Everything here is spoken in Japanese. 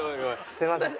すいません。